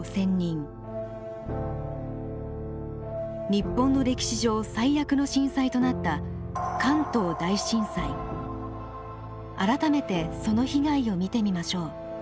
日本の歴史上最悪の震災となった改めてその被害を見てみましょう。